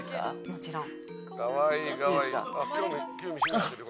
もちろん。